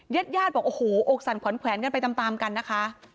ญาติญาติบอกโอ้โหอกสั่นขวัญแขวนกันไปตามกันนะคะ